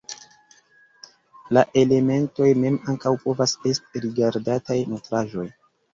La elementoj mem ankaŭ povas est rigardataj nutraĵoj.